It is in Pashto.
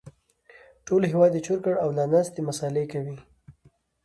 ټول هېواد يې چور کړ او لا ناست دی مسالې کوي